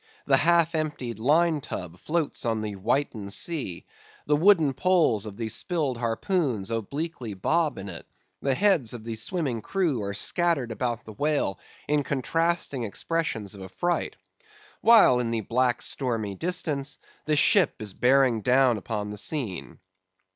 The half emptied line tub floats on the whitened sea; the wooden poles of the spilled harpoons obliquely bob in it; the heads of the swimming crew are scattered about the whale in contrasting expressions of affright; while in the black stormy distance the ship is bearing down upon the scene.